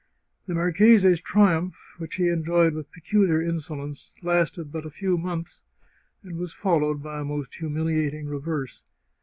The marchese's triumph, which he enjoyed with peculiar inso lence, lasted but a few months, and was followed by a most humiliating reverse.